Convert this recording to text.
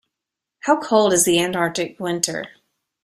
How cold is the Antarctic winter?